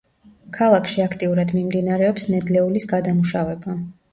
ქალაქში აქტიურად მიმდინარეობს ნედლეულის გადამუშავება.